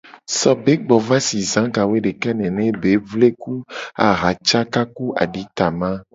So ye be gbo va si za ga wo nene be vle ku aha caka ku aditama.